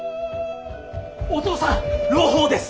お義父さん朗報です！